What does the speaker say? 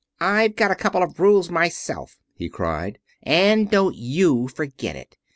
"I've got a couple of rules myself," he cried, "and don't you forget it.